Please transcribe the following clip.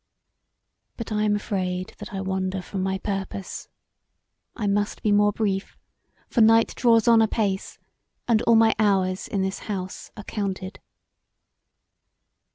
["]But I am afraid that I wander from my purpose. I must be more brief for night draws on apace and all my hours in this house are counted.